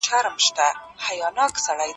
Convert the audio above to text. دلته کښېناستل زما لپاره ارامي ده.